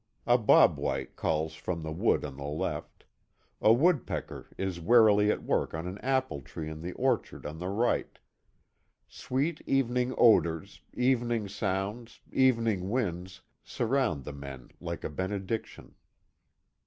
A bob white calls from the wood on the left; a wood pecker is warily at work in an apple tree in the orchard on the right. Sweet evening odors, evening sounds, evening winds, surround the men like a benediction.